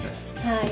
はい。